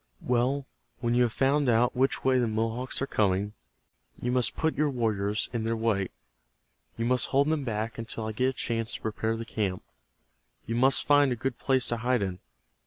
Well, when you have found out which way the Mohawks are coming you must put your warriors in their way. You must hold them back until I get a chance to prepare the camp. You must find a good place to hide in.